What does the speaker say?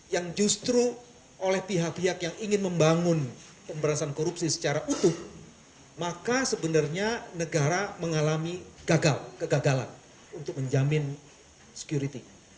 yang justru oleh pihak pihak yang ingin membangun pemberantasan korupsi secara utuh maka sebenarnya negara mengalami gagal kegagalan untuk menjamin security